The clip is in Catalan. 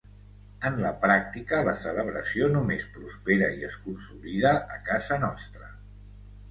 En la pràctica, la celebració només prospera i es consolida a casa nostra.